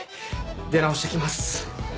出直してきます。